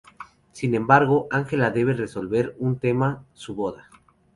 Sin embargo Ángela debe resolver un tema: su boda.